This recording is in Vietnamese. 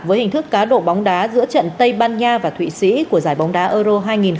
với hình thức cá độ bóng đá giữa trận tây ban nha và thụy sĩ của giải bóng đá euro hai nghìn một mươi chín